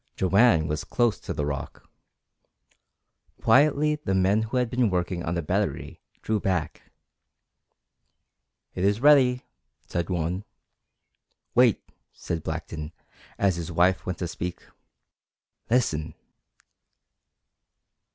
Joanne was close to the rock. Quietly the men who had been working on the battery drew back. "It is ready!" said one. "Wait!" said Blackton, as his wife went to speak, "Listen!"